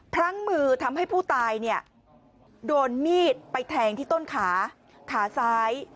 พลั้งมือทำให้ผู้ตายเนี่ยโดนมีดไปแทงที่ต้นขาขาซ้าย